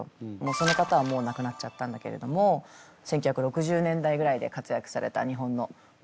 その方はもう亡くなっちゃったんだけれども１９６０年代ぐらいで活躍された日本のモデルさんで。